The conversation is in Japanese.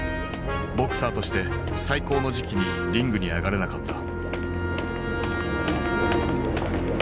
ボクサーとして最高の時期にリングに上がれなかった。